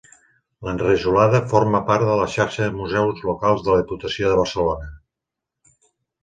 L'Enrajolada forma part de la Xarxa de Museus Locals de la Diputació de Barcelona.